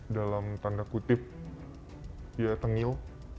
dalam tanda kutip ya tengil